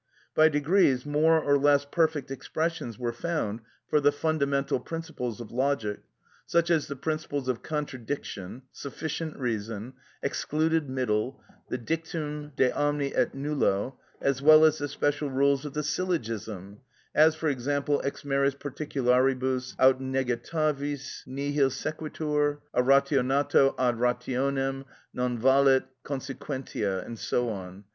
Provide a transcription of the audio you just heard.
By degrees, more or less perfect expressions were found for the fundamental principles of logic, such as the principles of contradiction, sufficient reason, excluded middle, the dictum de omni et nullo, as well as the special rules of the syllogism, as for example, ex meris particularibus aut negativis nihil sequitur, a rationato ad rationem non valet consequentia, and so on.